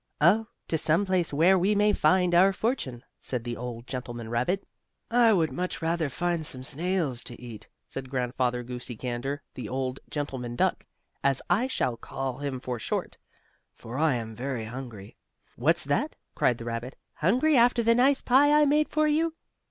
"Oh, to some place where we may find our fortune," said the old gentleman rabbit. "I would much rather find some snails to eat," said Grandfather Goosey Gander, the old gentleman duck, as I shall call him for short. "For I am very hungry." "What's that?" cried the rabbit. "Hungry after the nice pie I made for you?"